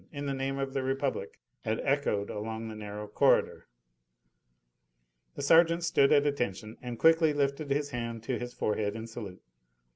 in the name of the Republic!" had echoed along the narrow corridor. The sergeant stood at attention and quickly lifted his hand to his forehead in salute.